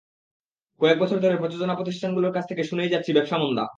কয়েক বছর ধরে প্রযোজনা প্রতিষ্ঠানগুলোর কাছ থেকে শুনেই যাচ্ছি, ব্যবসা মন্দা।